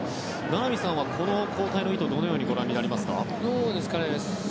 名波さんは、この交代の意図どのようにご覧になりますか？